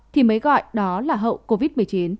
thì mới gọi đó là hậu covid một mươi chín